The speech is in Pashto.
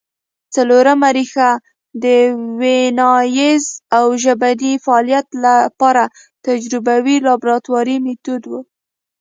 څلورمه ریښه د ویناييز او ژبني فعالیت له پاره تجربوي لابراتواري مېتود وو